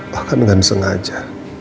bahkan dengan sengaja